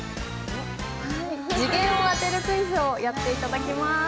字源を当てるクイズをやって頂きます。